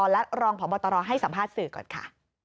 และรองพบตรให้สัมภาษณ์สื่อก่อนค่ะ